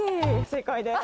正解です。